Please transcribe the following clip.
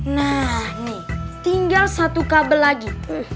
nah ini tinggal satu kabel lagi